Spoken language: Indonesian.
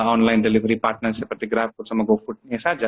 online delivery partner seperti grafut sama gofoodnya saja